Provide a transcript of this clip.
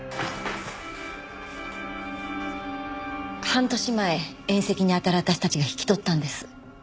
半年前遠戚にあたる私たちが引き取ったんです。